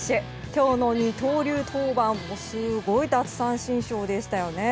今日の二刀流登板も、すごい奪三振ショーでしたよね。